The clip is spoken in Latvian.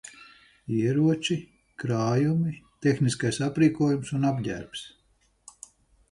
Ieroči, krājumi, tehniskais aprīkojums un apģērbs.